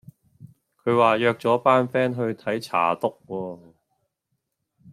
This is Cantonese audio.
佢話約咗班 fan 去睇查篤喎